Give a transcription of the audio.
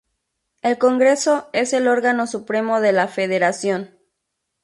El Congreso es el órgano supremo de la federación.